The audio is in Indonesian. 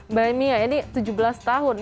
mbak mia ini tujuh belas tahun